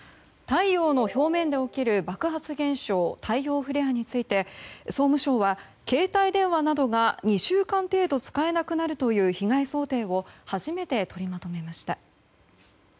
太陽の表面で起きる爆発現象、太陽フレアについて総務省は携帯電話などが２週間程度使えなくなるという被害想定を初めて取りまとめました。